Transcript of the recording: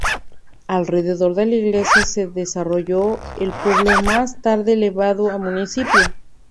Alrededor de la iglesia se desarrolló el pueblo más tarde elevado a municipio.